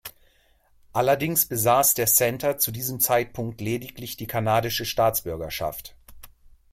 Allerdings besass der Center zu diesem Zeitpunkt lediglich die kanadische Staatsbürgerschaft.